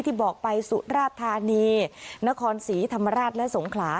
ที่บอกไปสุราธานีนครศรีธรรมราชและสงขลา